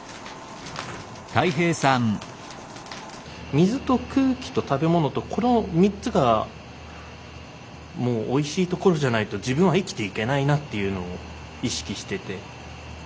水と空気と食べ物とこの３つがもうおいしいところじゃないと自分は生きていけないなっていうのを意識してて。